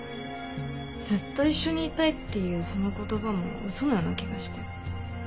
ずっと一緒にいたいっていうその言葉も嘘のような気がして。